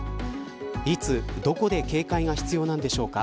いつどこで警戒が必要なんでしょうか。